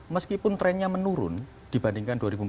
meskipun trennya menurun dibandingkan